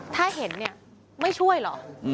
๒ถ้าเห็นไม่ช่วยหรอ